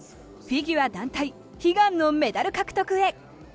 フィギュア団体悲願のメダル獲得へ。